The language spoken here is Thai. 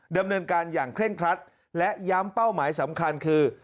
ดำเนินการอย่างเคร่งครัดและย้ำเป้าหมายสำคัญคือ